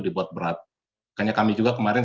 dibuat berat kayaknya kami juga kemarin